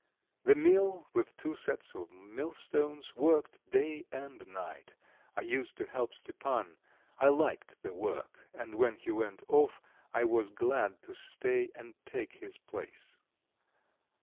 The mill with two sets of millstones worked day and night. I used to help Stepan; I liked the work, and when he went off I was glad to stay and take his place.